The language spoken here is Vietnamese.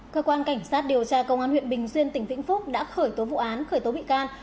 cơ quan cảnh sát điều tra công an huyện bình xuyên tỉnh vĩnh phúc đã khởi tố vụ án khởi tố bị can